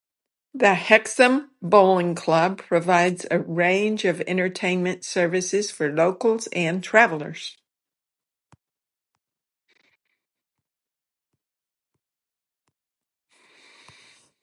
The Hexham Bowling Club provides a range of entertainment services for locals and travellers.